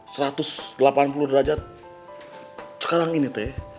satu ratus delapan puluh derajat sekarang ini teh